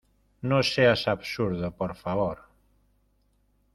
no seas absurdo, por favor.